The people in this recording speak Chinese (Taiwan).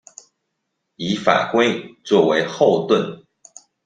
以法規作為後盾